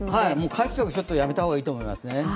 海水浴はやめた方がいいと思いますね。